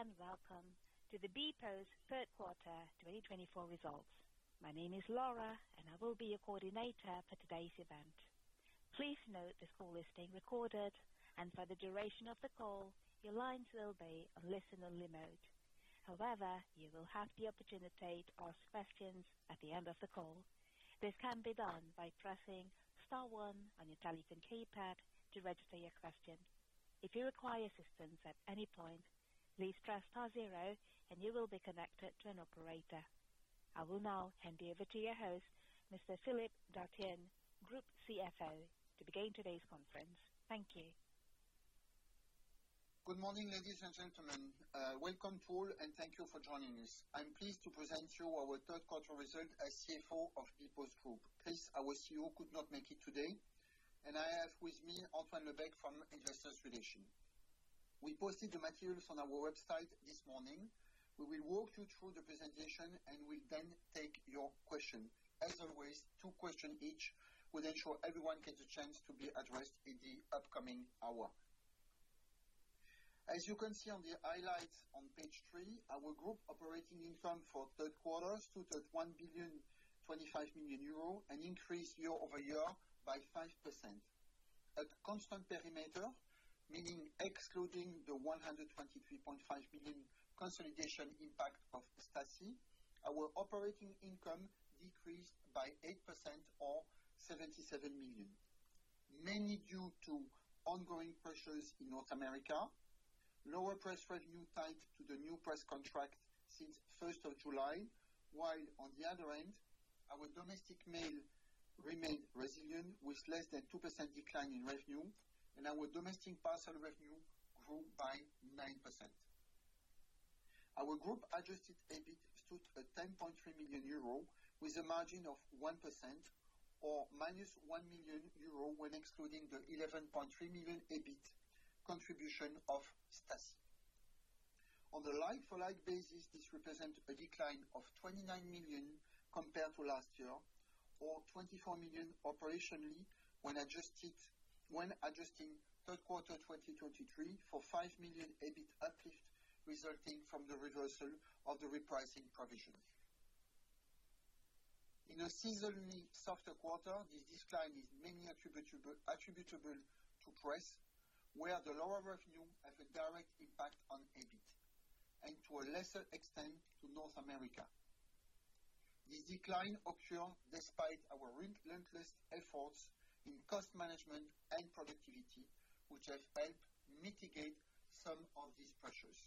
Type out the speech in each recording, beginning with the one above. Hello and welcome to the bpost's third quarter 2024 results. My name is Laura and I will be your coordinator for today's event. Please note this call is being recorded and for the duration of the call your lines will be on listen only mode. However, you will have the opportunity to ask questions at the end of the call. This can be done by pressing star one on your telephone keypad to register your question. If you require assistance at any point, please press star zero and you will be connected to an operator. I will now hand you over to your host, Mr. Philippe Dartienne, Group CFO to begin today's conference. Thank you. Good morning, ladies and gentlemen. Welcome, Paul, and thank you for joining us. I'm pleased to present you our third quarter result as CFO of bpost Group. Chris, our CEO, could not make it today, and I have with me Antoine Lebecq from Investor Relations. We posted the materials on our website this morning. We will walk you through the presentation, and we'll then take your question. As always, two questions each will ensure everyone gets a chance to be addressed in the upcoming hour. As you can see on the highlights on page three, our group operating income for third quarter stood at 1.025 billion, an increase year-over-year by 5%. At constant perimeter, meaning excluding the 123.5 million consolidation impact of Staci, our operating income decreased by 8% or 77 million, mainly due to ongoing pressures in North America, lower press revenue tied to the new press contract since 1st of July. While on the other end, our domestic mail remained resilient with less than 2% decline in revenue, and our domestic parcel revenue grew by 9%. Our group adjusted EBITDA stood at 10.3 million euro with a margin of 1% or -1 million euro when excluding the 11.3 million EBIT contribution of Staci on the like for like basis. This represents a decline of 29 million compared to last year or 24 million operationally when adjusting third quarter 2023 for 5 million EBIT uplift resulting from the reversal of the repricing provision in a seasonally softer quarter. This decline is mainly attributable to press where the lower revenue have a direct impact on EBIT and to a lesser extent to North America. This decline occurred despite our relentless efforts in cost management and productivity which have helped mitigate some of these pressures.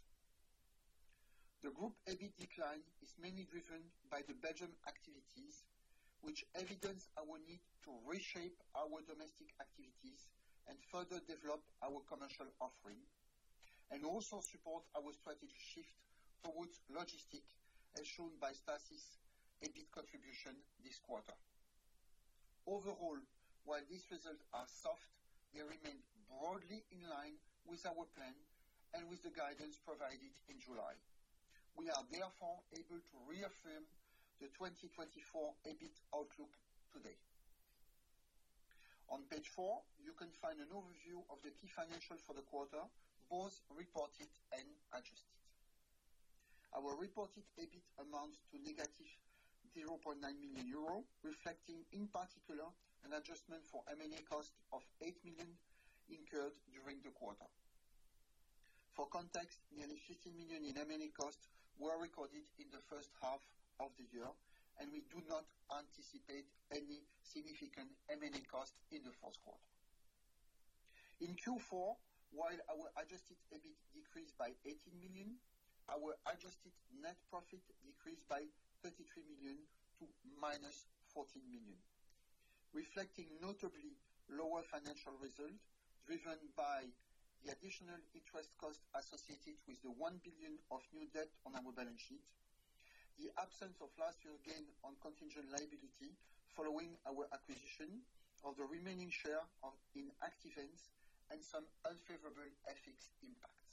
The Group EBIT decline is mainly driven by the Belgian activities which evidence our need to reshape our domestic activities and further develop our commercial offering and also support our strategic shift towards logistics as shown by Staci's EBIT contribution this quarter. Overall, while these results are soft, they remain broadly in line with our plan and with the guidance provided in July. We are therefore able to reaffirm the 2024 EBIT outlook today. On page four you can find an overview of the key financials for the quarter both reported and adjusted. Our reported EBIT amounts to -0.9 million euro, reflecting in particular an adjustment for M&A cost of 8 million incurred during the quarter. For context, nearly 50 million in M&A costs were recorded in the first half of the year and we do not anticipate any significant M&A costs in the fourth quarter. In Q4, while our adjusted EBIT decreased by 18 million, our adjusted net profit decreased by 33 million to -14 million, reflecting notably lower financial result driven by the additional interest cost associated with the 1 billion of new debt on our balance sheet, the absence of last year's gain on contingent liability following our acquisition of the remaining share of Active Ants and some unfavorable FX impacts.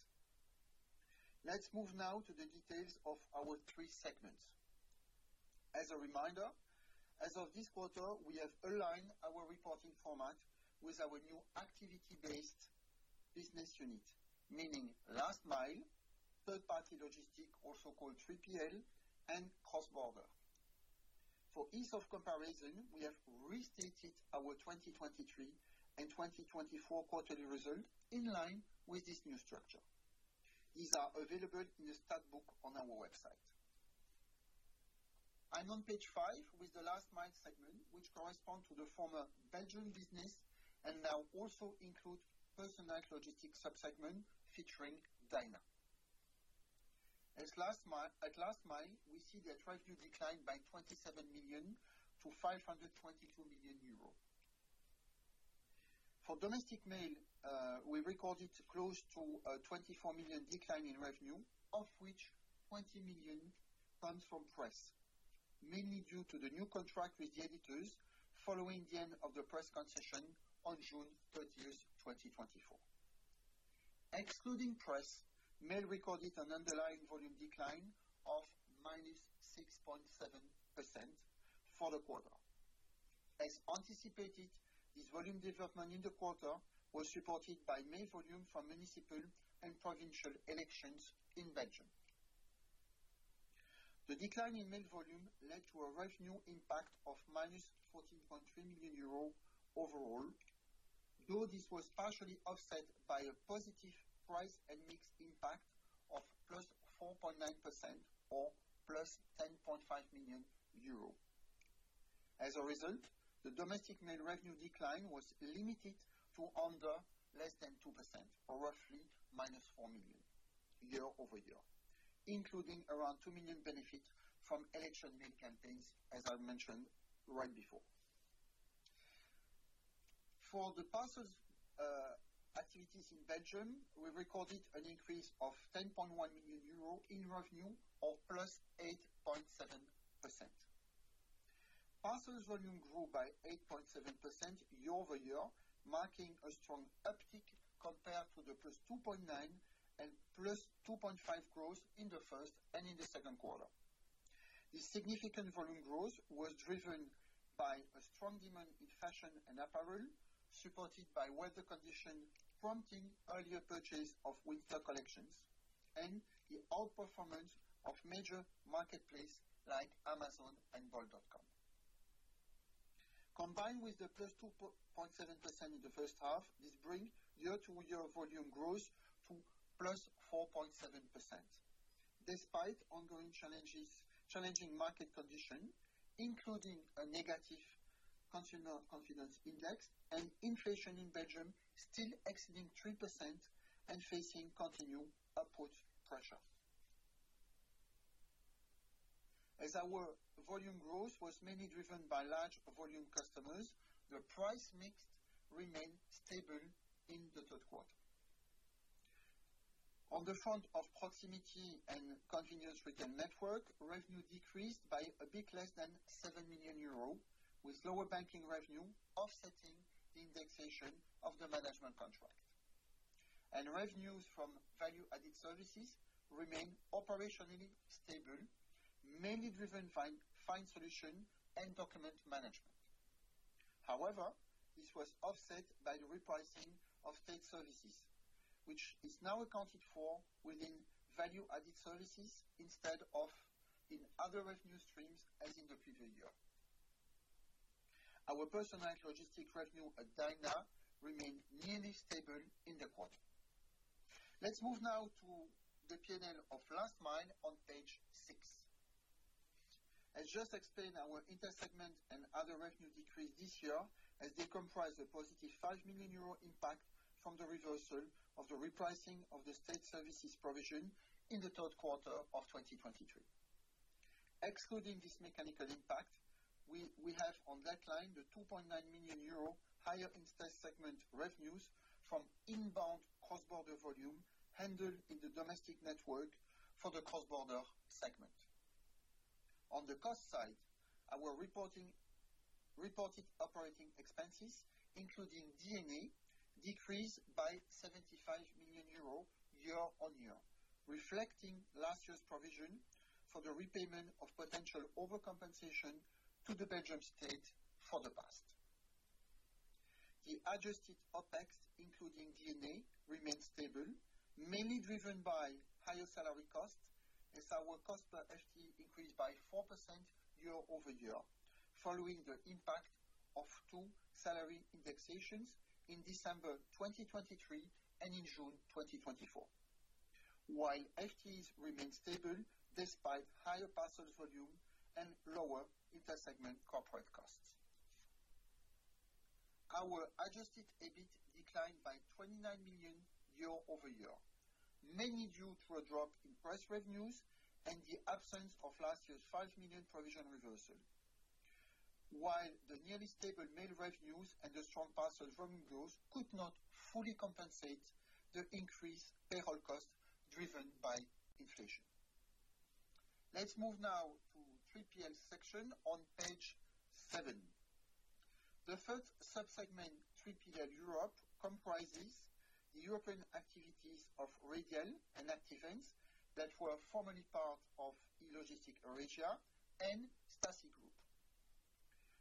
Let's move now to the details of our three segments. As a reminder, as of this quarter we have aligned our reporting format with our new activity based business unit meaning last mile third party logistics, also called 3PL and Cross Border. For ease of comparison, we have restated our 2023 and 2024 quarterly results in line with this new structure. These are available in the statbook on our website. I'm on page five with the Last Mile segment which corresponds to the former Belgian business and now also include personalised logistics subsegment featuring Dyna. At Last Mile we see that revenue decline by 27 million to 522 million euros. For domestic mail we recorded close to a 24 million decline in revenue of which 20 million comes from Press, mainly due to the new contract with the editors following the end of the Press concession on June 30, 2024. Excluding Press, mail recorded an underlying volume decline of -6.7% for the quarter. As anticipated, this volume development in the quarter was supported by mail volume from municipal and provincial elections in Belgium. The decline in mail volume led to a revenue impact of -14.3 million euro overall, though this was partially offset by a positive price and mix impact of 4.9% or +10.5 million euro. As a result, the domestic mail revenue decline was limited to under less than 2% or roughly -4 million year-over-year including around 2 million benefit from election mail campaigns. As I mentioned right before, for the parcels activities in Belgium, we recorded an increase of 10.1 million euro in revenue or +8.7%. Parcels volume grew by 8.7% year-over-year marking a strong uptick compared to the +2.9% and +2.5% growth in the first and in the second quarter. This significant volume growth was driven by a strong demand in fashion and apparel supported by weather conditions prompting earlier purchase of winter collections and the outperformance of major marketplaces like Amazon and Bol.com. Combined with the 2.7% in the first half, this brings year-to-year volume growth to +4.7%. Despite ongoing challenging market conditions including a negative consumer confidence index and inflation in Belgium still exceeding 3% and facing continued upward pressure, as our volume growth was mainly driven by large volume customers, the price mix remained stable in the third quarter. On the front of proximity and convenience, return network revenue decreased by a bit less than 7 million euros with lower banking revenue offsetting the indexation of the management contract, and revenues from value added services remain operationally stable mainly driven Fines Solutions and document management. However, this was offset by the repricing of state services which is now accounted for within value added services instead of in other revenue streams as in the previous year. Our parcel logistics revenue at Dyna remained nearly stable in the quarter. Let's move now to the P&L of last month on page six. As just explained, our intersegment and other revenue decreases this year as they comprise a +5 million euro impact from the reversal of the repricing of the state services provision in the third quarter of 2023. Excluding this mechanical impact, we have on that line the 2.9 million euro higher in test segment revenues from inbound cross-border volume handled in the domestic network for the cross-border segment. On the cost side, our reported operating expenses including D&A decreased by 75 million euros year-on-year, reflecting last year's provision for the repayment of potential overcompensation to the Belgian state. Over the past, the adjusted OpEx including D&A remained stable, mainly driven by higher salary costs as our cost per FTE increased by 4% year-over-year following the impact of two salary indexations in December 2023 and in June 2024, while FTEs remain stable despite higher parcels volume and lower intersegment corporate costs. Our adjusted EBIT declined by 29 million year-over-year, mainly due to a drop in topline revenues and the absence of last year's 5 million provision reversal. While the nearly stable mail revenues and the strong parcel volume growth could not fully compensate the increased payroll cost driven by income inflation. Let's move now to 3PL's section on page seven. The first subsegment, 3PL Europe, comprises the European activities of Radial and Active Ants that were formerly part of E-Logistics Eurasia and Staci Group.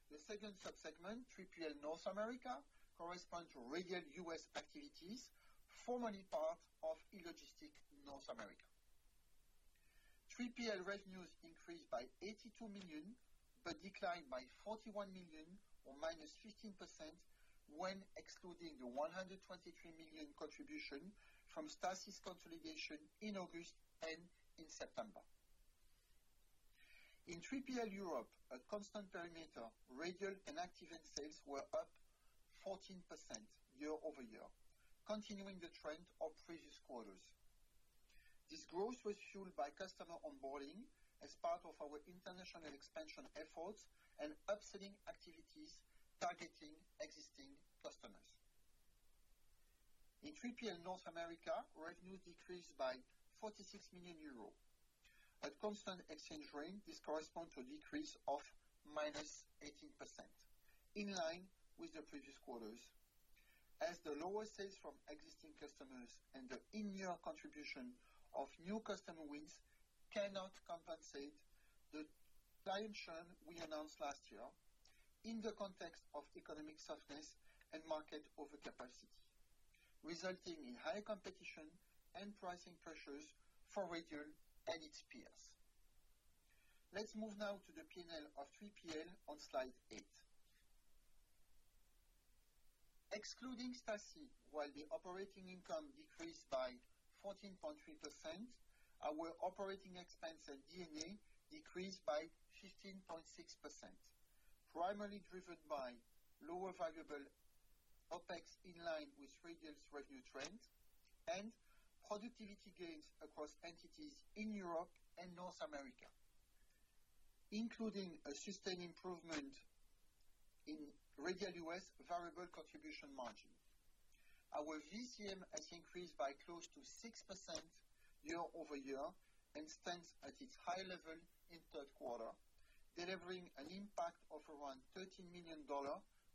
The second subsegment, North America, corresponds to Radial U.S. activities formerly part of E-Logistics North America. 3PL revenues increased by 82 million but declined by 41 million or -15% when excluding the 123 million contribution from Staci's consolidation in August and in September. In 3PL Europe, at constant perimeter Radial and Active Ants net sales were up 14% year-over-year, continuing the trend of previous quarters. This growth was fueled by customer onboarding as part of our international expansion efforts and upselling activities targeting existing customers. In 3PL North America, revenue decreased by 46 million euros at constant exchange rate. This corresponds to a decrease of -18% in line with the previous quarters as the lower sales from existing customers and the in-year contribution of new customer wins cannot compensate the client churn we announced last year in the context of economic softness and market overcapacity resulting in higher competition and pricing pressures for Radial and its peers. Let's move now to the P&L of 3PL on slide eight. Excluding Staci, while the operating income decreased by 14.3%, our operating expense at D&A decreased by 15.6% primarily driven by lower variable OpEx. In line with Radial's revenue trend and productivity gains across entities in Europe and North America, including a sustained improvement in Radial U.S. variable contribution margin, our VCM has increased by close to 6% year-over-year and stands at its high level in third quarter delivering an impact of around $13 million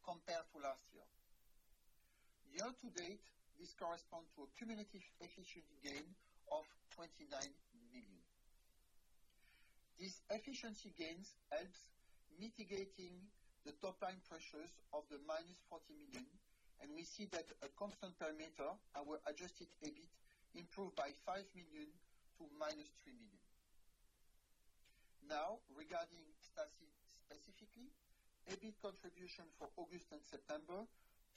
compared to last year year to date. This corresponds to a cumulative efficiency gain of $29 million. This efficiency gain helps mitigating the top line pressures of the -$40 million and we see that at constant parameters our adjusted EBIT improved by $5 million to -$3 million. Now regarding Staci specifically, EBIT contribution for August and September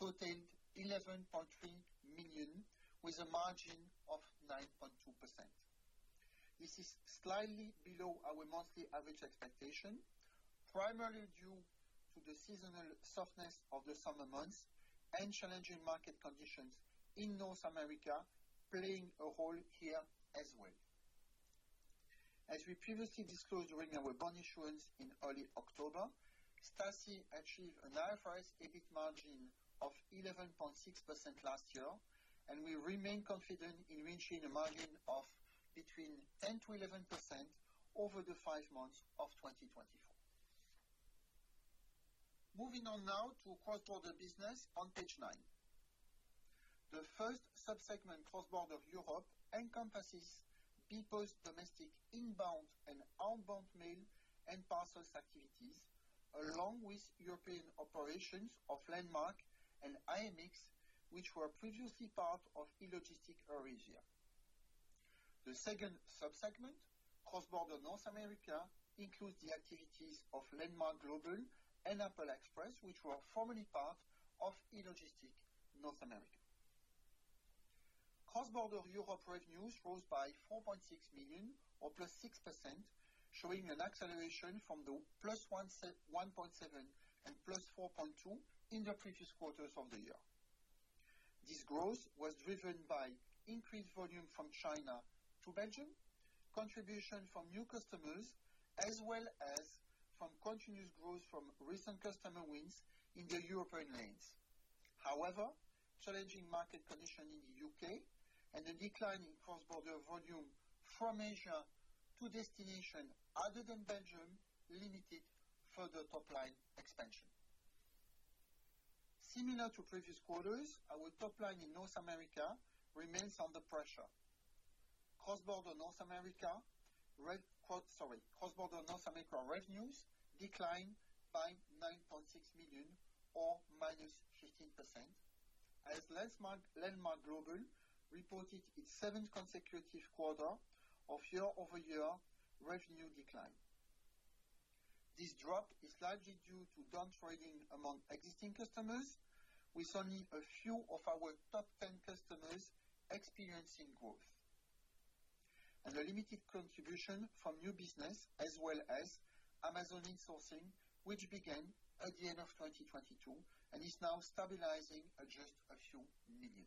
totaled $11.3 million with a margin of 9.2%. This is slightly below our monthly average expectation, primarily due to the seasonal softness of the summer months and challenging market conditions in North America playing a role here as well. As we previously disclosed during our bond issuance in early October, Staci achieved an IFRS EBIT margin of 11.6% last year and we remain confident in reaching a margin of between 10%-11% over the five months of 2024. Moving on now to Cross-border business on page nine, the first subsegment Cross-border Europe encompasses bpost's domestic inbound and outbound mail and parcels activities along with European operations of Landmark and IMX which were previously part of E-Logistics Eurasia. The second subsegment, Cross-border North America, includes the activities of Landmark Global and Apple Express which were formerly part of E-Logistics North America. Cross-border Europe revenues rose by 4.6 million or +6%, showing an acceleration from the +1.7% and +4.2% in the previous quarters of the year. This growth was driven by increased volume from China to Belgium, contribution from new customers, as well as from continuous growth from recent customer wins in the European lanes. However, challenging market conditions in the U.K. and a decline in Cross-border volume from Asia to destinations other than Belgium limited further top-line expansion. Similar to previous quarters, our top line in North America remains under pressure. Cross-border North America revenues declined by 9.6 million or -15% as Landmark Global reported its seventh consecutive quarter of year-over-year revenue decline. This drop is largely due to down trading among existing customers with only a few of our top 10 customers experiencing growth and a limited contribution from new business as well as Amazon insourcing, which began at the end of 2022 and is now stabilizing at just a few million.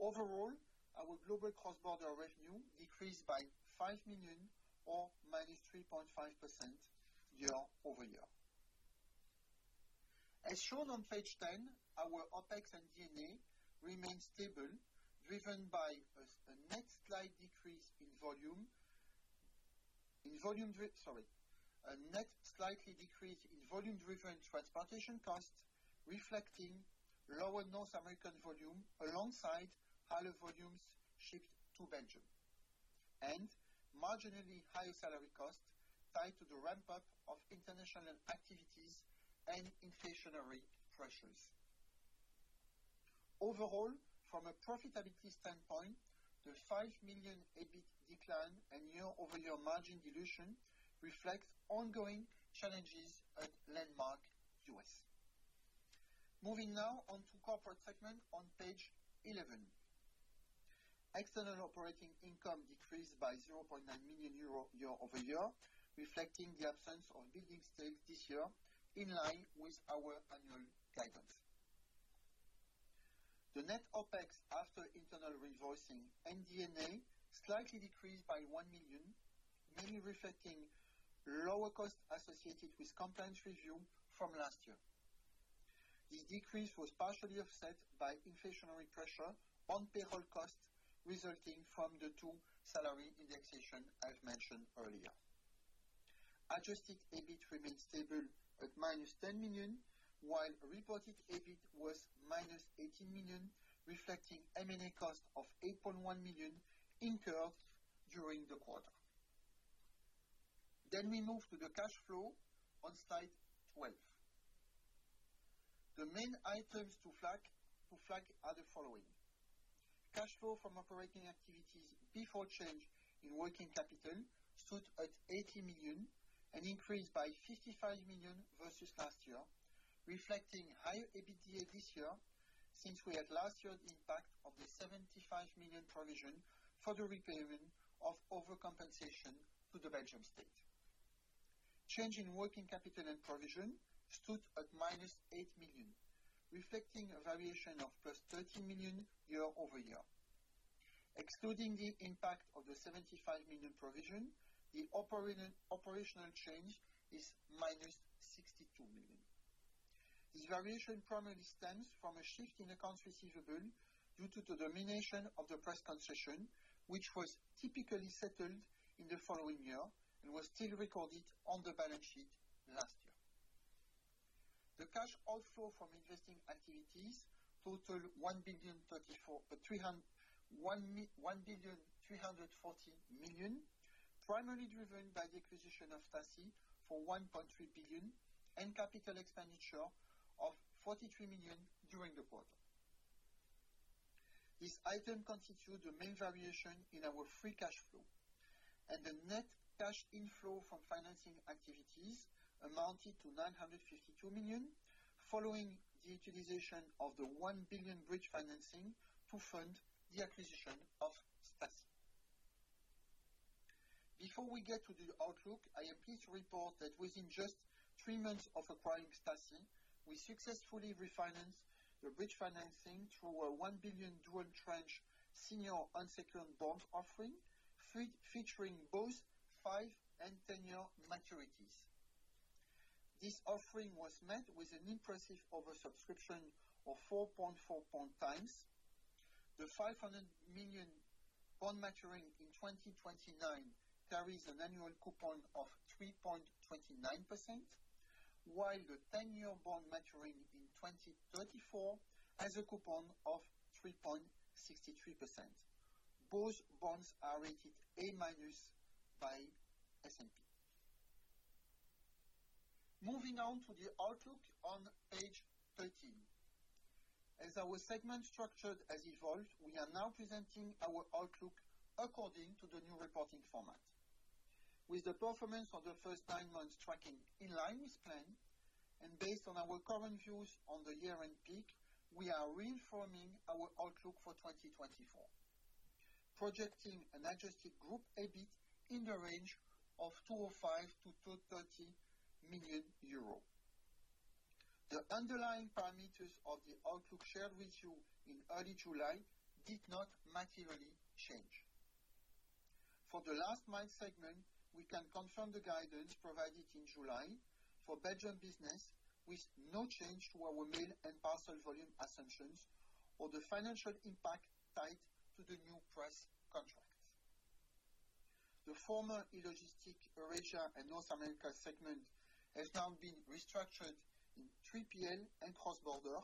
Overall, our global cross border revenue decreased by 5 million or −3.5% year-over-year as shown on page 10. Our OpEx and D&A remained stable driven by a net slight decrease in volume driven transportation costs reflecting lower North American volume alongside higher volumes shipped to Belgium and marginally higher salary cost tied to the ramp up of international activities and inflationary pressures. Overall, from a profitability standpoint, the 5 million EBIT decline and year-over-year margin dilution reflects ongoing challenges at Landmark U.S. Moving now on to corporate segment on page 11, external operating income decreased by 0.9 million euro year-over-year reflecting the absence of building stakes this year. In line with our annual guidance, the net OPEX after internal reinvoicing and D&A slightly decreased by 1 million, mainly reflecting lower costs associated with compliance review from last year. This decrease was partially offset by inflationary pressure on payroll costs resulting from the two salary indexation I've mentioned earlier. Adjusted EBIT remained stable at -10 million while reported EBIT was -18 million reflecting M&A cost of 8.1 million incurred during the quarter. Then we move to the cash flow on slide 12. The main items to flag are the following. Cash flow from operating activities before change in working capital stood at 80 million and increased by 55 million versus last year reflecting higher EBITDA this year. Since we had last year's impact of the 75 million provision for the repayment of overcompensation to the Belgian state, change in working capital and provision stood at -8 million reflecting a variation of 13 million year-over-year. Excluding the impact of the 75 million provision, the operational change is -62 million. This variation primarily stems from a shift in accounts receivable due to the termination of the press concession which was typically settled in the following year and was still recorded on the balance sheet. Last year the cash outflow from investing activities totaled 1.34 billion primarily driven by the acquisition of Staci for 1.3 billion and capital expenditure of 43 million during the quarter. This item constitutes the main variation in our free cash flow and the net cash inflow from financing activities amounted to 952 million following the utilization of the 1 billion bridge financing to fund the acquisition of Staci before we get to the outlook. I am pleased to report that within just three months of acquiring Staci, we successfully refinanced the bridge financing through a 1 billion dual tranche senior unsecured bond offering featuring both 5 and 10 year maturities. This offering was met with an impressive oversubscription of 4.4x. The 500 million bond maturing in 2029 carries an annual coupon of 3.29% while the 10 year bond maturing in 2024 has a coupon of 3.63%. Both bonds are rated A- by S&P. Moving on to the outlook on page 13, as our segment structure has evolved, we are now presenting our outlook according to the new reporting format, with the performance of the first nine months tracking in line with plan and based on our current views on the year-end peak, we are reinforcing our outlook for 2024, projecting an adjusted group EBIT in the range of 205 million-230 million euro. The underlying parameters of the outlook shared with you in early July did not materially change for the last-mile segment. We can confirm the guidance provided in July for Belgian business with no change to our mail and parcel volume assumptions or the financial impact tied to the new Press contract. The former E-Logistics, Eurasia and North America segments have now been restructured into 3PL and Cross-border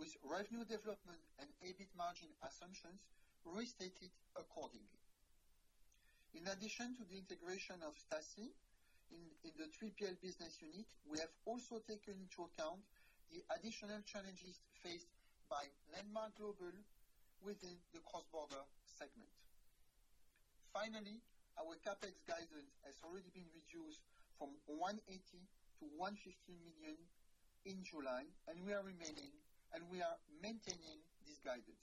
with revenue development and EBIT margin assumptions restated accordingly. In addition to the integration of Staci in the 3PL business unit, we have also taken into account the additional challenges faced by Landmark Global within the cross-border segment. Finally, our CapEx guidance has already been reduced from 180 million to 115 million euros and we are maintaining this guidance.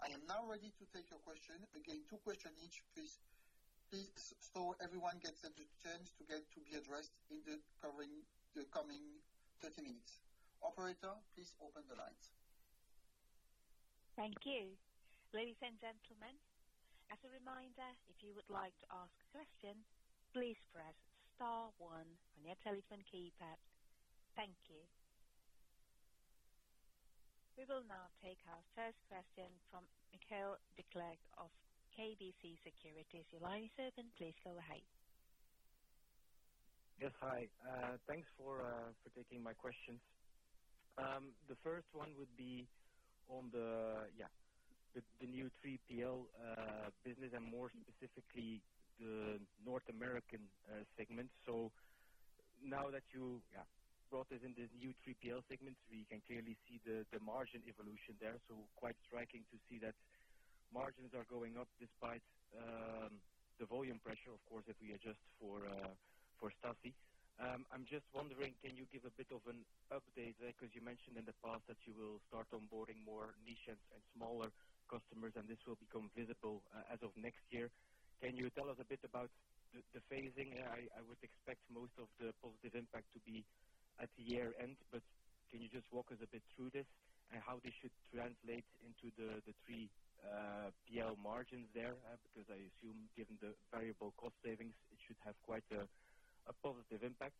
I am now ready to take your question again. Two questions each so everyone gets a chance to be addressed in the coming 30 minutes. Operator, please open the lines. Thank you, ladies and gentlemen. As a reminder, if you would like to ask a question, please press star one on your telephone keypad. Thank you. We will now take our first question from Michiel Declercq of KBC Securities, Your line is open. Please go ahead. Yes, hi. Thanks for taking my questions. The first one would be on the new 3PL business and more specifically the North American segment. So now that you brought us in this new 3PL segments, we can clearly see the margin evolution there. So quite striking to see that margins are going up despite the volume pressure. Of course, if we adjust for Staci. I'm just wondering, can you give a bit of an update because you mentioned in the past that you will start onboarding more niche and smaller customers and this will become visible as of next year. Can you tell us a bit about the phasing? I would expect most of the positive impact to be at year end, but can you just walk us a bit through this and how this should translate into the 3PL margins there? Because I assume given the variable cost savings it should have quite a positive impact,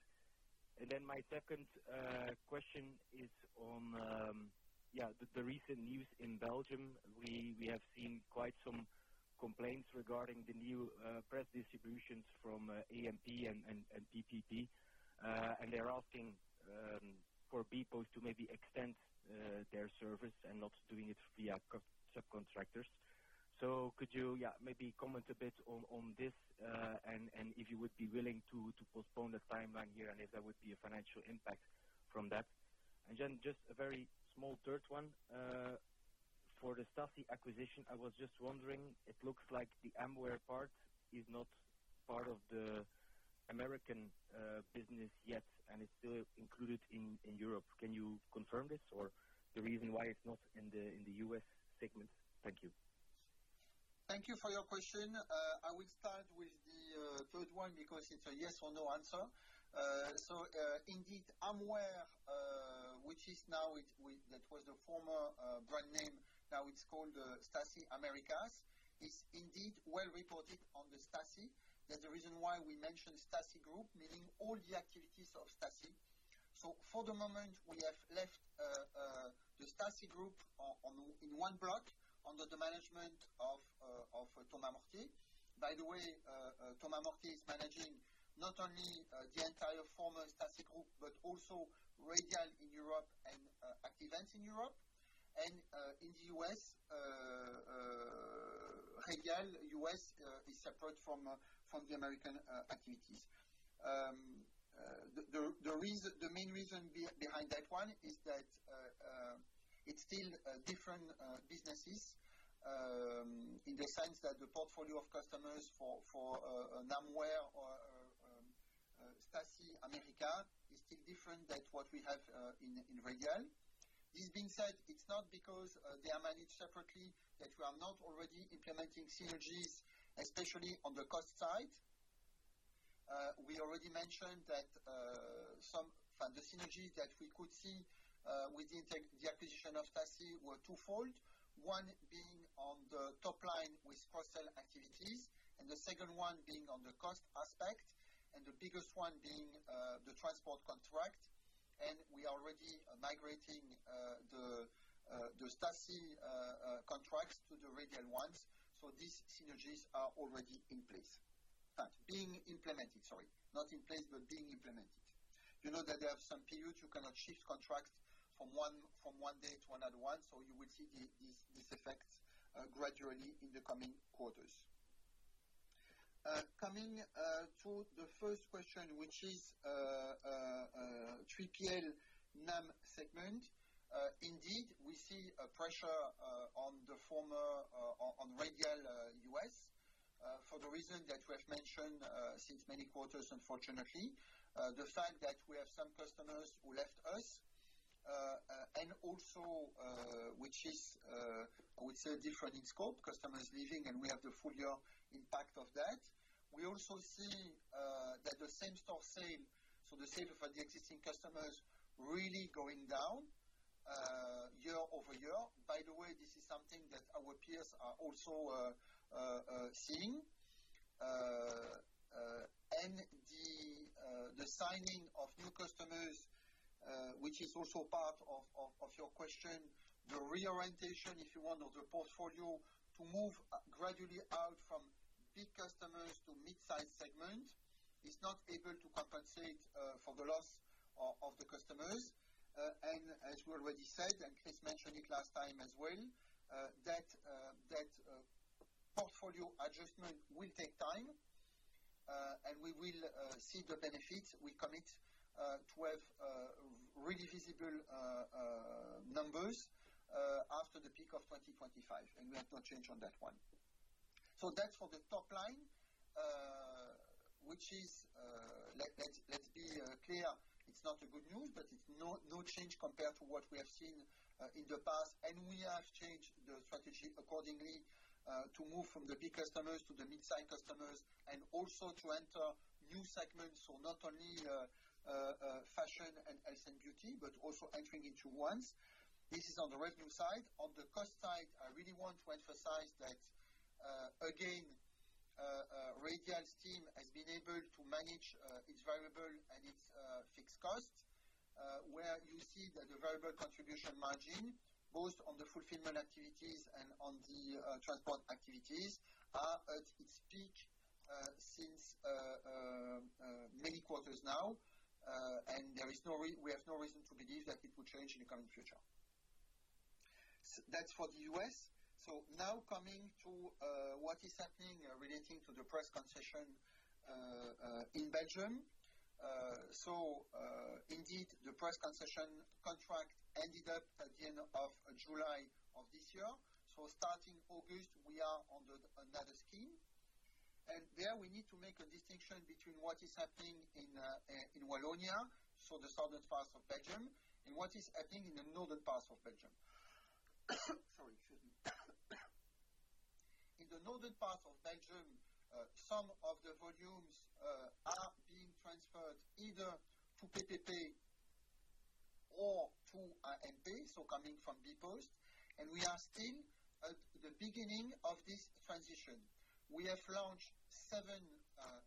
and then my second question is on the recent news in Belgium. We have seen quite some complaints regarding the new press distributions from AMP and PPP and they're asking for bpost's to maybe extend their service and not doing it via subcontractors. So could you maybe comment a bit on this and if you would be willing to postpone the timeline here and if there would be a financial impact from that, and then just a very small third one for the Staci acquisition. I was just wondering, it looks like the Amware part is not part of the American business yet and it's still included in Europe. Can you confirm this or the reason why it's not in the U.S. segment? Thank you. Thank you for your question. I will start with the third one because it's a yes or no answer. So indeed Amware, which is now that was the former brand name, now it's called Staci Americas is indeed well reported on the Staci. That's the reason why we mentioned Staci Group, meaning all the activities of Staci. So for the moment we have left the Staci Group in one block under the management of Thomas Mortier. By the way, Thomas Mortier is managing not only the entire former Staci Group, but also Radial in Europe and Active Ants in Europe and in the U.S. Radial U.S. is separate from the American activities. The main reason behind that one is that it's still different businesses in the sense that the portfolio of customers for Amware or Staci America is still different than what we have in Radial. This being said, it's not because they are managed separately that we are not already implementing synergies, especially on the cost side. We already mentioned that some synergies that we could see within the acquisition of Staci were twofold. One being on the top line with cross and the second one being on the cost aspect and the biggest one being the transport contract. And we are already migrating the Staci contracts to the Radial ones. So these synergies are already in place, being implemented. Sorry, not in place, but being implemented. You know that there are some periods you cannot shift contracts from one day to another one. So you will see these effects gradually in the coming quarters. Coming to the first question, which is 3PL NAM segment. Indeed, we see a pressure on the former on Radial U.S. for the reason that we have mentioned since many quarters. Unfortunately, the fact that we have some customers who left us and also, which is I would say different in scope, customers leaving and we have the full year impact of that. We also see that the Same Store Sale, so the sale for the existing customers, really going down year-over-year. By the way, this is something that our peers are also seeing and the signing of new customers, which is also part of your question. The reorientation, if you want, of the portfolio to move gradually out from big customers to mid-sized segment is not able to compensate for the loss of the customers. And as we already said and Chris mentioned it last time as well, that portfolio adjustment will take time and we will see the benefits. We commit to have really visible numbers after the peak of 2025 and we have no change on that one. So that's for the top line, which is, let's be clear, it's not good news, but it's no change compared to what we have seen in the past. And we have changed the strategy accordingly to move from the big customers to the midsize customers and also to enter new segments. So not only fashion and health and beauty, but also entering into ones. This is on the revenue side. On the cost side, I really want to emphasize that again Radial's team has been able to manage its variable and its fixed cost where you see that the variable contribution margin, both on the fulfillment activities and on the transport activities are at its peak since many quarters now. And we have no reason to believe that it will change in the coming future. That's for the U.S. So now coming to what is happening relating to the Press concession in Belgium. So indeed, the Press concession contract ended up at the end of July of this year. So starting August we are under another scheme and there we need to make a distinction between what is happening in Wallonia, so the southern parts of Belgium, and what is happening in the northern parts of Belgium. In the northern part of Belgium, some of the volumes are being transferred either to PPP or to AMP. So coming from bpost and we are still at the beginning of this transition, we have launched seven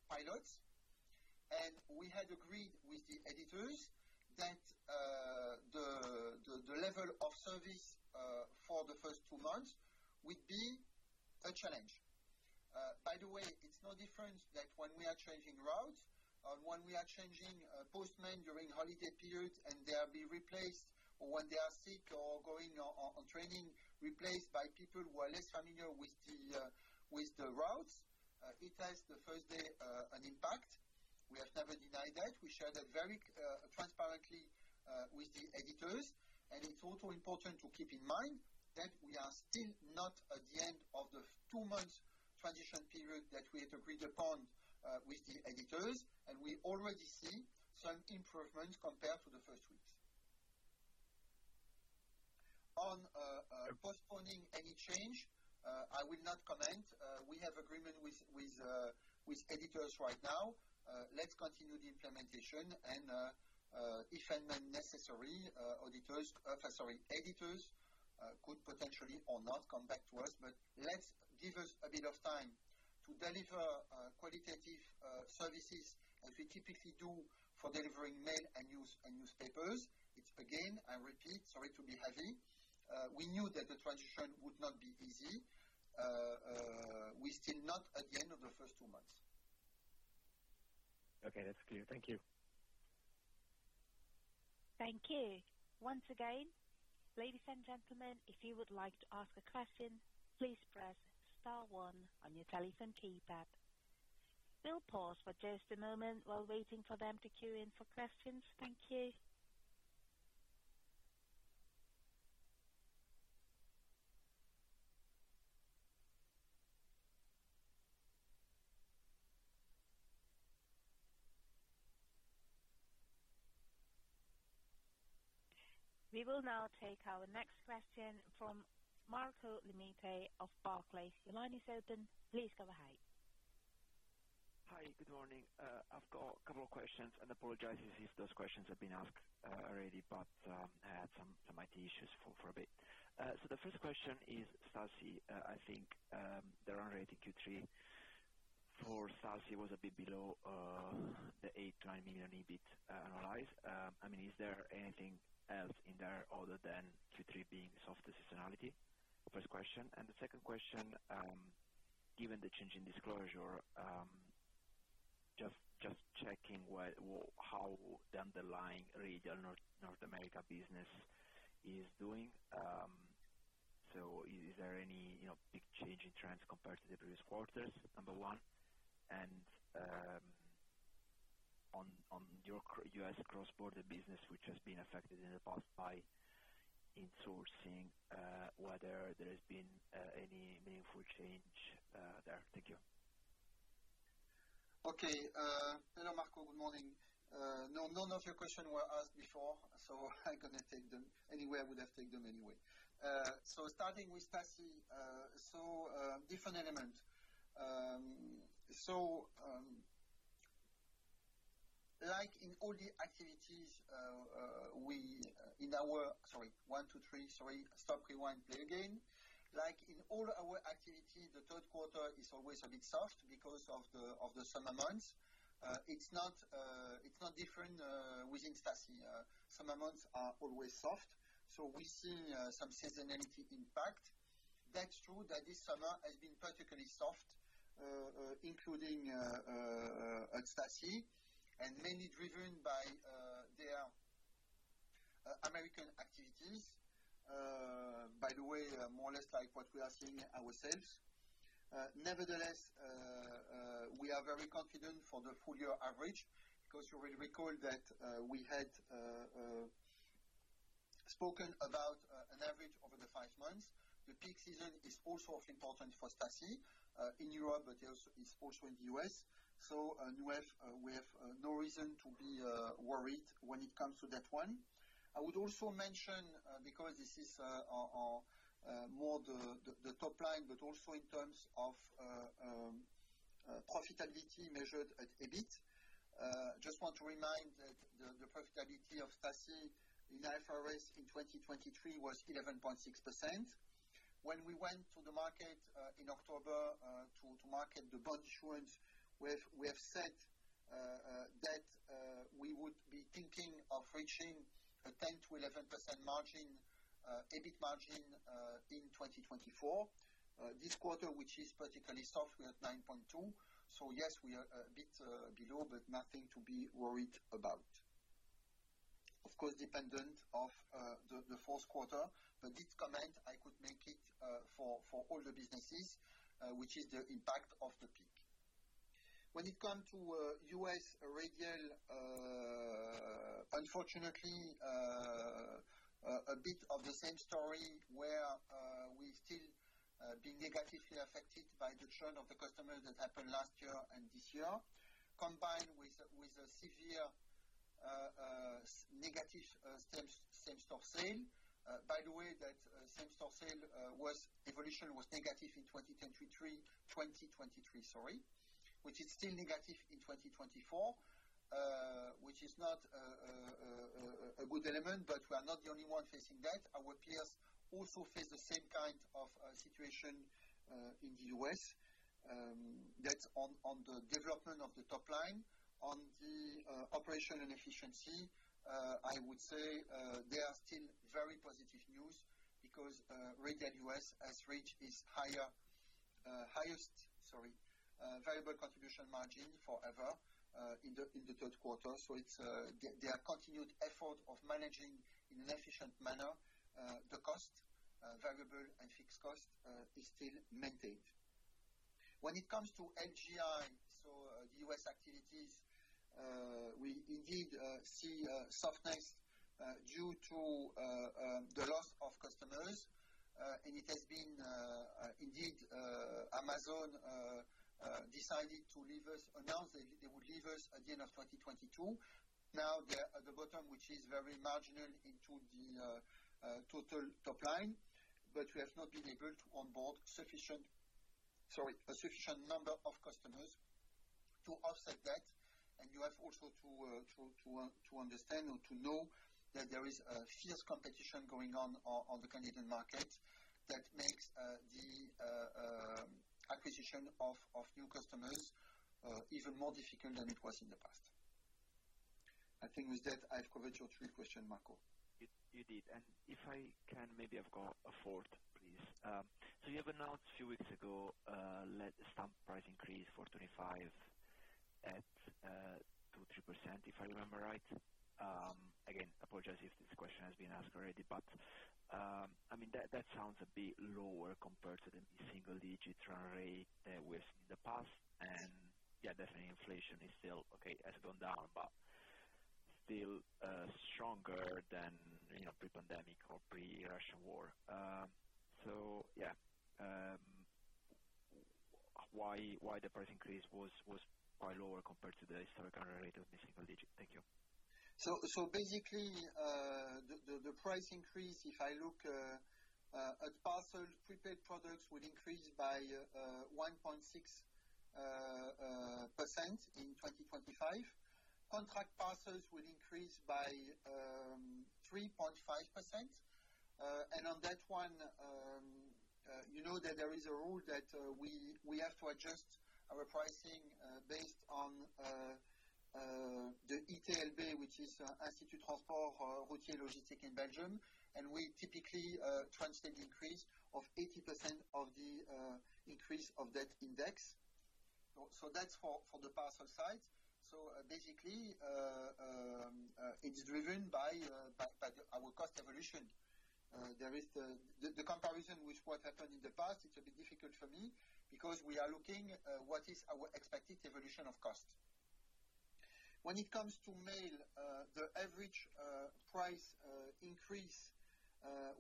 pilots and we had agreed with the editors that the level of service for the first two months would be a challenge. By the way, it's no different than when we are changing routes, when we are changing postman during holiday periods and they are being replaced, or when they are sick or going on training, replaced by people who are less familiar with the routes, it has the first day an impact. We have never denied that we share that very transparently with the editors. And it's also important to keep in mind that we are still not at the end of the two months transition period that we had agreed upon with the editors. And we already see some improvements compared to the first weeks on postponing any change. I will not comment. We have agreement with editors right now. Let's continue the implementation and if and when necessary, auditors, sorry, editors could potentially or not come back to us. But let's give us a bit of time to deliver qualitative services as we typically do for delivering mail and newspapers. Again, I repeat, sorry to be heavy. We knew that the transition would not be easy. We still not at the end of the first two months. Okay, that's clear. Thank you. Thank you. Once again, ladies and gentlemen, if you would like to ask a question, please press star one on your telephone keypad. We'll pause for just a moment while waiting for them to queue in for questions. Thank you. We will now take our next question from Marco Limite of Barclays. Your line is open. Please go ahead. Hi, good morning. I've got a couple of questions and apologize if those questions have been asked already. But I had some IT issues for a bit. So the first question is from. I think the run rate in Q3 for Staci was a bit below the 8 million-9 million EBIT analysis I mean is there anything else in there other than Q3 being softer? Seasonality first question. And the second question, given the change in disclosure, just checking how the underlying region North America business is doing. So is there any big change in trends compared to the previous quarters? Number one. And. On your U.S. Cross-border business which has been affected in the past by insourcing, whether there has been any meaningful change there? Thank you. Okay. Hello Marco. Good morning. None of your questions were asked before so I couldn't take them anywhere. I would have taken them anyway. So starting with Staci. So different elements. So like in all our activities, the third quarter is always a bit soft because of the summer months. It's not different within Staci. Summer months are always soft so we see some seasonality impact. That's true that this summer has been particularly soft including Staci and mainly driven by their American activities. By the way, more or less like what we are seeing ourselves. Nevertheless, we are very confident for the full year average because you will recall that we had spoken about an average over the five months. The peak season is also of importance for Staci in Europe but also in the U.S., so now we have no reason to be worried when it comes to that one. I would also mention because this is more the top line but also in terms of profitability measured at EBIT. Just want to remind that the profitability of Staci in IFRS in 2023 was 11.6% when we went to the market in October to market the bond issuance. We have said that we would be thinking of reaching a 10%-11% EBIT margin in 2024. This quarter which is particularly soft we had 9.2%. So yes, we are a bit below but nothing to be worried about. Of course dependent on the fourth quarter. But this comment I could make it for all the businesses, which is the impact of the peak when it comes to Radial U.S. Unfortunately a bit of the same story where we still being negatively affected by the churn of the customers that happened last year and this year combined with a severe negative Same Store Sale. By the way, that Same Store Sale was evolution was negative in 2023, 2023, sorry, which is still negative in 2024 which is not a good element. But we are not the only one facing that. Our peers also face the same kind of situation in the U.S. that on the development of the top line on the operation and efficiency. I would say there are still very positive news because Radial U.S. has reached its highest variable contribution margin forever in the third quarter. So they are continued effort of managing in an efficient manner. The cost variable and fixed cost is still maintained when it comes to LGI. So the U.S. activities we indeed see softness due to the loss of customers. And it has been indeed Amazon decided to leave us, announced that they would leave us at the end of 2022. Now they are at the bottom, which is very marginal into the total top line. But we have not been able to onboard sufficient, sorry, a sufficient number of customers to offset that. And you have also to understand or to know that there is a fierce competition going on the Canadian market that makes the acquisition of new customers even more difficult than it was in the past. I think with that I've covered your three questions, Marco. You did. And if I can, maybe I've got a fourth, please. So you have announced a few weeks ago stamp price increase for 2025 at 2%, 3% if I remember right. Again, apologize if this question has been asked already, but I mean that sounds a bit lower compared to the single-digit run rate that we've seen in the past. And yeah, definitely inflation is still okay, has gone down, but still stronger than pre-pandemic or pre-Russian war. So yeah. While the price increase was quite lower compared to the historical annual rate of the single-digit. Thank you. So basically the price increase if I look at parcel prepaid products would increase by 1.6% in 2025. Contract passes will increase by 3.5%. And on that one you know that there is a rule that we have to adjust our pricing based on the ITLB which is Institut Transport & Logistics in Belgium. And we typically translate increase of 80% of the increase of that index. So that's for the parcel side. So basically it's driven by our cost evolution. There is the comparison with what happened in the past is a bit difficult for me because we are looking what is our expected evolution of cost when it comes to mail. The average price increase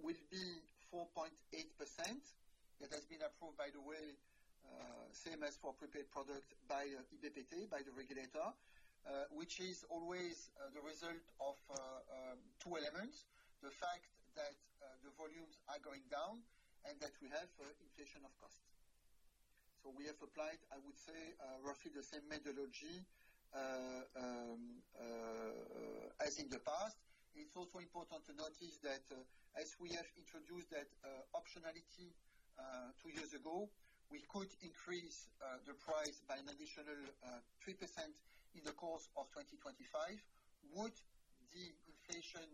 will be 4.8%. It has been approved by the way same as for prepaid products by the regulator, which is always the result of two elements. The fact that the volumes are going down and that we have cost inflation, so we have applied, I would say, roughly the same methodology as in the past. Also important to notice that as we have introduced that optionality two years ago. We could increase the price by an additional 3% in the course of 2025 if the inflation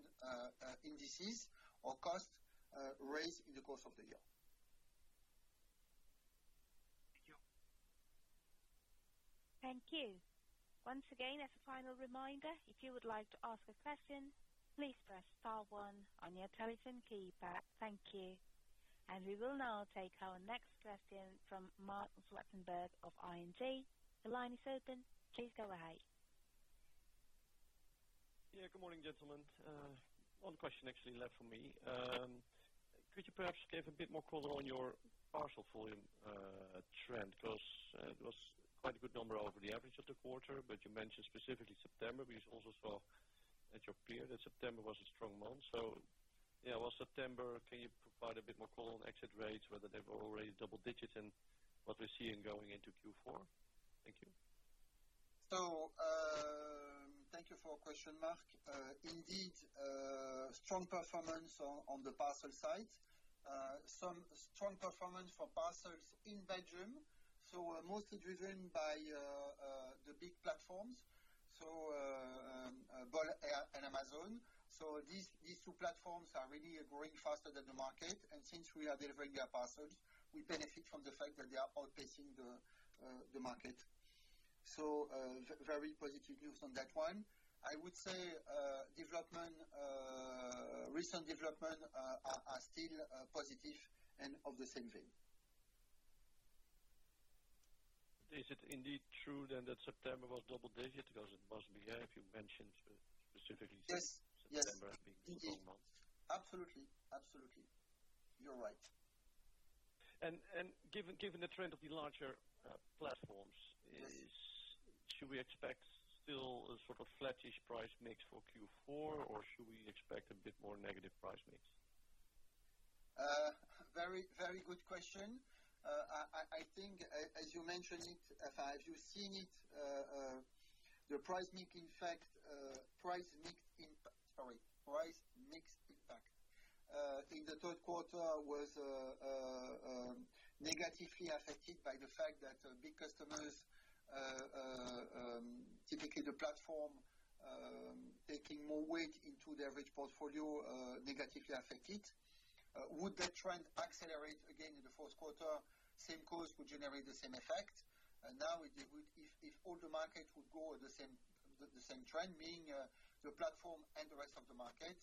indices or costs rise in the course of the year. Thank you. Thank you once again. As a final reminder, if you would like to ask a question, please press star one on your telephone keypad. Thank you, and we will now take our next question from Marc Zwartsenburg of ING. The line is open. Please go ahead. Yeah, good morning gentlemen. One question actually left for me. Could you perhaps give a bit more color on your parcel volume trend? Because it was quite a good number over the average of the quarter. But you mentioned specifically September. We also saw at your peer that September was a strong month. So yeah, was September? Can you provide a bit more color on exit rates, whether they were already double digits and what we're seeing going into Q4? Thank you. So, thank you for the question. Indeed, strong performance on the parcel side, some strong performance for parcels in Belgium. So mostly driven by the big platforms, so Bol and Amazon. So these two platforms are really growing faster than the market. And since we are delivering their parcels, we benefit from the fact that they are outpacing the market. So very positive news on that one. I would say recent developments are still positive. And in the same vein. Is it. Indeed true then that September was double digit? Because it must be, if you mentioned specifically September being the strong month. Absolutely, absolutely, you're right. Given the trend of the larger platforms, should we expect still a sort of flattish price price mix for Q4 or should we expect a bit more negative price mix? Very, very good question. I think as you mentioned it, have you seen it? The price mix effect, price mix impact in the third quarter was negatively affected by the fact that big customers, typically the platform taking more weight into the average portfolio, negatively affected. Would that trend accelerate again in the fourth quarter? Same cost would generate the same effect. Now, if all the market would go at the same trend, meaning the platform and the rest of the market,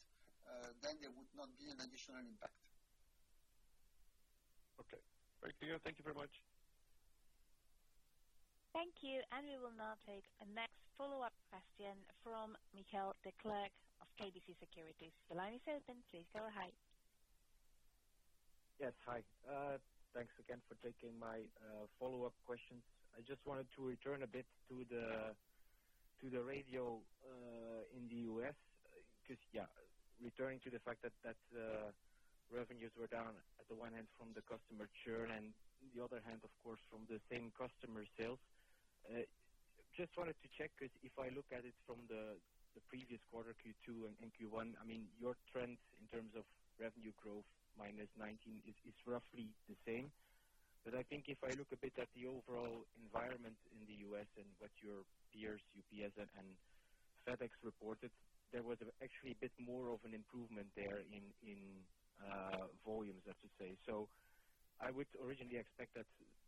then there would not be an additional impact. Okay, very clear. Thank you very much. Thank you. And we will now take a next follow up question from Michiel Declercq of KBC Securities. The line is open. Please go ahead. Yes, hi. Thanks again for taking my follow up questions. I just wanted to return a bit to the Radial in the U.S. because yeah, returning to the fact that revenues were down on the one hand from the customer churn and the other hand of course from the same customer sales. Just wanted to check because if I look at it from the previous quarter, Q2 and Q1, I mean your trend in terms of revenue growth -19% is roughly the same. But I think if I look a bit at the overall environment in the U.S. and what your peers, UPS and FedEx, reported there was actually a bit more of an improvement there in volumes, that's to say. So I would originally expect that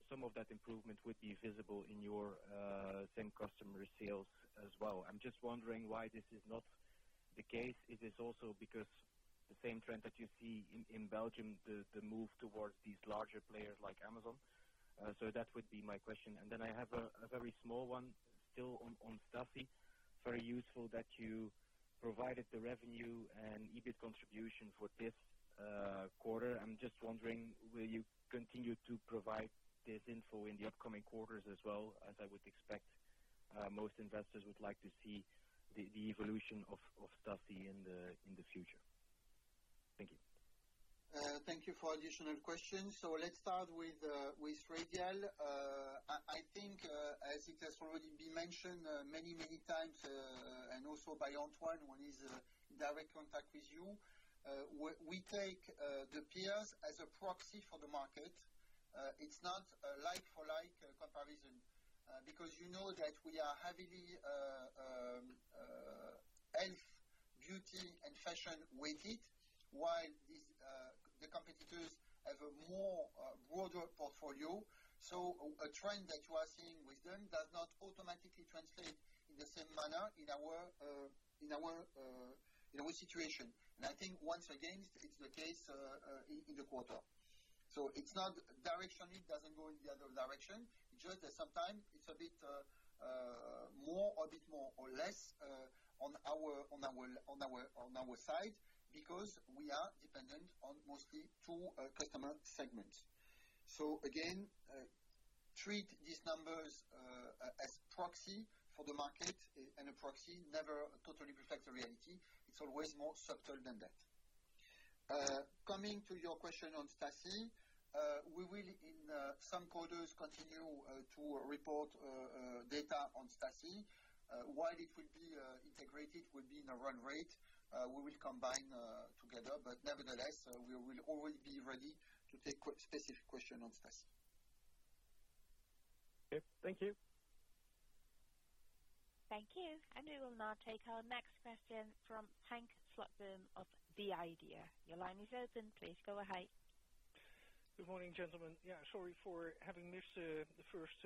some of that improvement would be visible in your same customer sales as well. I'm just wondering why this is not the case. Is this also because the same trend that you see in Belgium, the move towards these larger players like Amazon? So that would be my question and then I have a very small one still on Staci. Very useful that you provided the revenue and EBIT contribution for this quarter. I'm just wondering, will you continue to provide this info in the upcoming quarters as well? As I would expect most investors would like to see the evolution of Staci in the future. Thank you. Thank you for additional questions, so let's start with Radial. I think as it has already been mentioned many, many times and also by Antoine when he's in direct contact with you. We take the peers as a proxy for the market. It's not a like for like comparison because you know that we are heavily health, beauty, and fashion weighted while the competitors have a more broader portfolio, so a trend that you are seeing with them does not automatically translate in the same manner in our situation, and I think once again it's the case in the quarter, so it's not direction, it doesn't go in the other direction just at some time. It's a bit more or bit more or less on our side because we are dependent on mostly two customer segments, so again, treat these numbers as proxy for the market. A proxy never totally reflects the reality. It's always more subtle than that. Coming to your question on Staci, we will in some quarters continue to report data on Staci, while it will be integrated, will be in a run rate, we will combine together, but nevertheless we will always be ready to take specific questions on Staci. Thank you. Thank you. And we will now take our next question from Henk Slotboom of the IDEA!. Your line is open. Please go ahead. Good morning, gentlemen. Yeah, sorry for having missed the first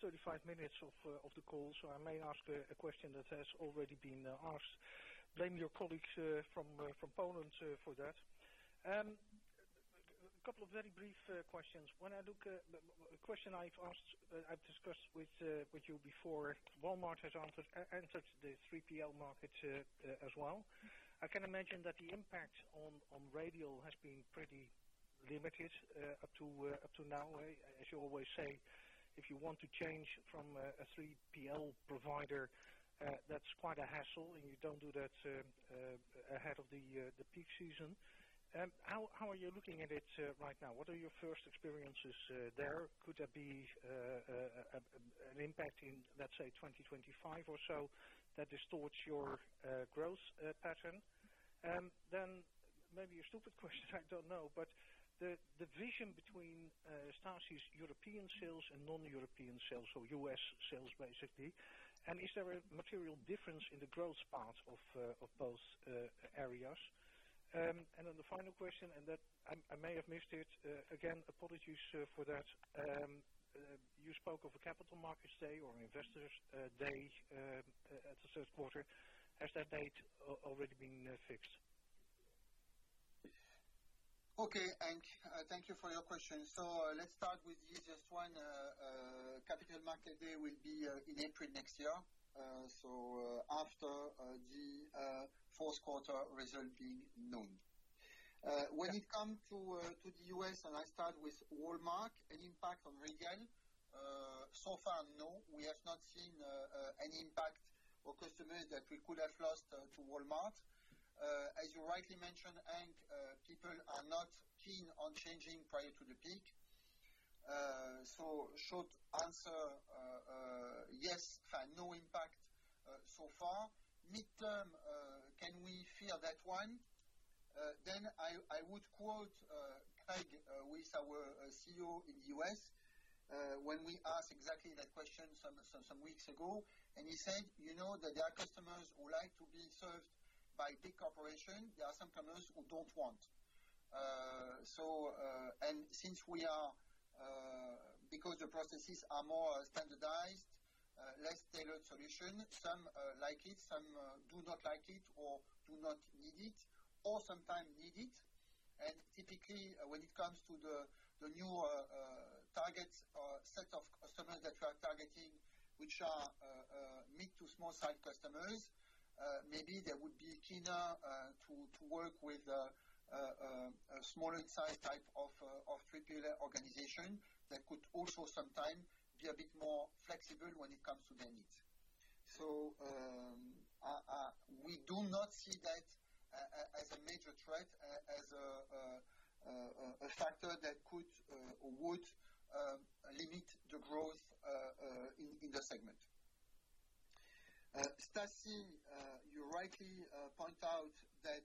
35 minutes of the call. So I may ask a question that has already been asked. Blame your colleagues from Poland for that. A couple of very brief questions. When I look at a question I've asked, I've discussed with you before, Walmart has entered the 3PL market as well. I can imagine that the impact on Radial has been pretty limited up to now. As you always say, if you want to change from a 3PL provider, that's quite a hassle and you don't do that ahead of the peak season. How are you looking at it right now? What are your first experiences there? Could there be an impact in, let's say, 2025 or so that distorts your growth pattern then? Maybe a stupid question, I don't know, but the division between European sales and non-European sales or U.S. sales basically. And is there a material difference in the growth part of both areas? And then the final question, and I may have missed it again, apologies for that. You spoke of a capital markets day or investors day at the third quarter. Has that date already been fixed? Okay, thank you for your question, so let's start with the easiest one. Capital Markets Day will be in April next year, so after the fourth quarter result being known when it comes to the U.S. and I start with Walmart impact on Radial, so far, no, we have not seen any impact for customers that we could have lost to Walmart. As you rightly mentioned Henk, people are not keen on changing prior to the peak, so short answer, yes, no impact so far mid-term. Can we fear that one then I would quote Craig, our CEO in the U.S. when we asked exactly that question some weeks ago and he said, you know that there are customers who like to be served by big corporations. There are some customers who don't want and since we are because the processes are more standardized, less tailored solution, some like it, some do not like it or do not need it, or sometimes need it. And typically when it comes to the new target set of customers that we are targeting, which are mid to small size customers, maybe they would be keener to work with a smaller size type of organization that could also sometimes be a bit more flexible when it comes to their needs. So we do not see that as a major threat as a factor that could or would limit the growth in the segment. Staci, you rightly point out that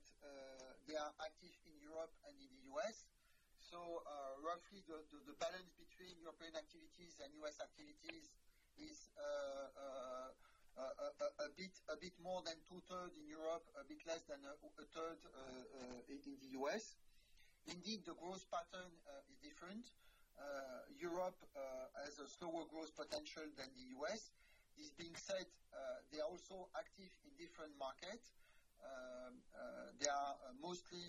they are active in Europe and in the U.S. So roughly the balance between European activities and U.S. activities is a bit more than 2/3 in Europe, a bit less than a third in the U.S. Indeed the growth pattern is different. Europe has a slower growth potential than the U.S. This being said, they are also active in different markets. They are mostly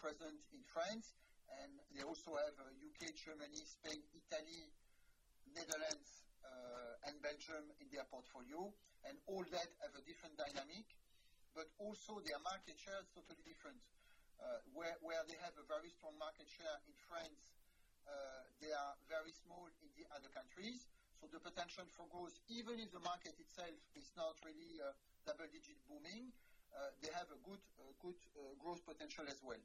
present in France and they also have U.K., Germany, Spain, Italy, Netherlands and Belgium in their portfolio and all that have a different dynamic. But also their market share is totally different where they have a very strong market share in France, they are very small in the other countries. So the potential for growth even if the market itself is not really double digit booming. They have a good, good growth potential as well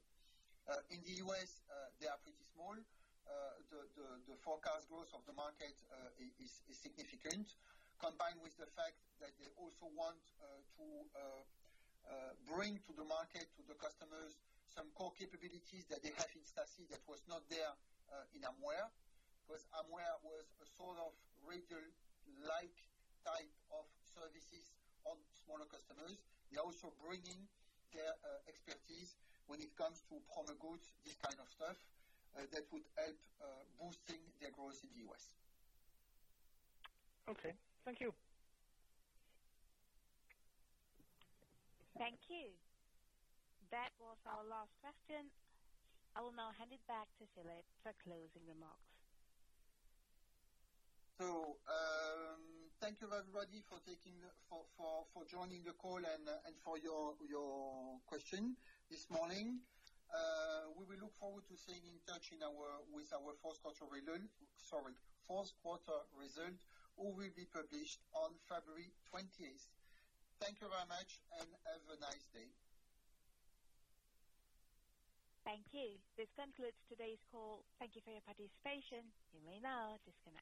in the U.S. They are pretty small. The forecast growth of the market is significant combined with the fact that they also want to bring to the market to the customers some core capabilities that they have in Staci that was not there in Amware because Amware was a sort of Radial-like type of services on smaller customers. They are also bringing their expertise when it comes to promo goods this kind of stuff that would help boosting their growth in the U.S. Okay thank you. Thank you. That was our last question. I will now hand it back to Philippe for closing remarks. So thank you everybody for joining the call and for your question this morning. We will look forward to staying in touch with our fourth quarter result who will be published on February 20th. Thank you very much and have a nice day. Thank you. This concludes today's call. Thank you for your participation. You may now disconnect.